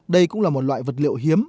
đây cũng là một loại vật liệu hiếm